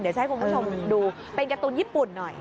เดี๋ยวจะให้คุณผู้ชมดูเป็นการ์ตูนญี่ปุ่นหน่อย